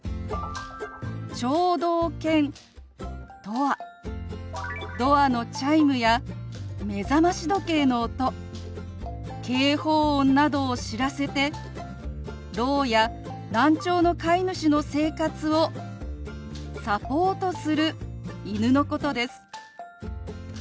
「聴導犬」とはドアのチャイムや目覚まし時計の音警報音などを知らせてろうや難聴の飼い主の生活をサポートする犬のことです。